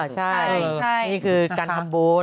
ใช่นี่คือการทำบุญ